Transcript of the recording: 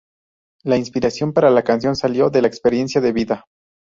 La inspiración para la canción salió de la experiencia de vida.